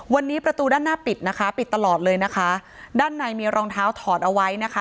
วันนี้ประตูด้านหน้าปิดนะคะปิดตลอดเลยนะคะด้านในมีรองเท้าถอดเอาไว้นะคะ